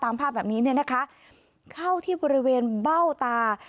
ภาพแบบนี้เนี่ยนะคะเข้าที่บริเวณเบ้าตา